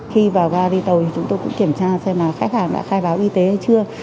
khi vào ga đi tàu thì chúng tôi cũng kiểm tra xem là khách hàng đã khai báo y tế hay chưa